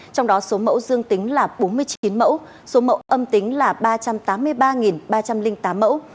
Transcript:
trong đó số mẫu dương tính là bốn mươi chín mẫu số mẫu âm tính là ba trăm tám mươi ba ba trăm linh tám mẫu